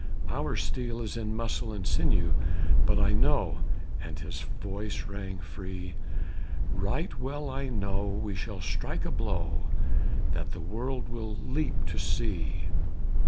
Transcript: "Our steel is in muscle and sinew. But I know," and his voice rang free, "Right well I know we shall strike a blow That the world will leap to see."